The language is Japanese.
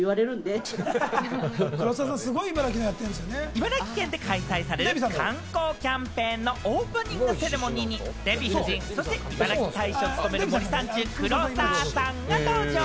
茨城県で開催される観光キャンペーンのオープニングセレモニーにデヴィ夫人、そして、いばらき大使を務める森三中・黒沢さんが登場。